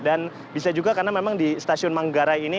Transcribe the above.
dan bisa juga karena memang di stasiun manggarai ini